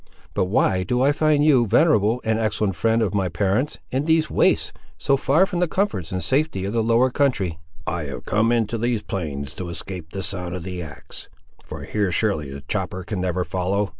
But why do I find you, venerable and excellent friend of my parents, in these wastes, so far from the comforts and safety of the lower country?" "I have come into these plains to escape the sound of the axe; for here surely the chopper can never follow!